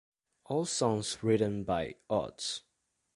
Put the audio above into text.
All songs written by Odds.